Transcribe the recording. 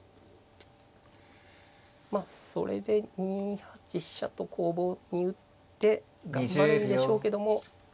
まあそれで２八飛車と攻防に打って頑張るんでしょうけども。